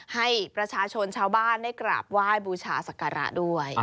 ให้ประชาชนชาวบ้านได้กราบไหว้บูชาศักระด้วย